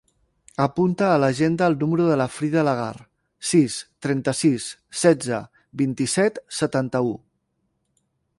Apunta a l'agenda el número de la Frida Lagar: sis, trenta-sis, setze, vint-i-set, setanta-u.